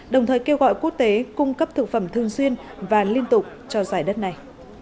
đồng thời kêu gọi quốc tế cung cấp thực phẩm thường xuyên và liên tục cho giải đất này